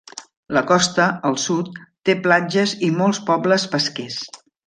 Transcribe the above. La costa, al sud, té platges i molts pobles pesquers.